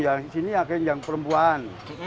yang sini angkring yang perempuan